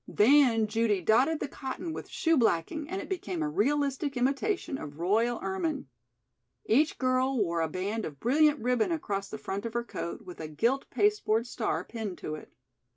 Then Judy dotted the cotton with shoe blacking and it became a realistic imitation of royal ermine. Each girl wore a band of brilliant ribbon across the front of her coat with a gilt pasteboard star pinned to it.